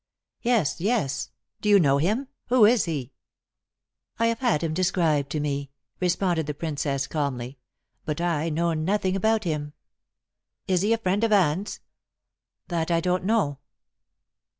"Yes, yes. Do you know him? Who is he?" "I have had him described to me," responded the Princess calmly, "but I know nothing about him." "Is he a friend of Anne's?" "That I don't know."